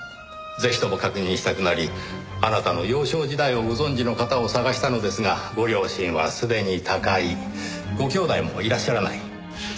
ぜひとも確認したくなりあなたの幼少時代をご存じの方を探したのですがご両親はすでに他界ご兄弟もいらっしゃらない。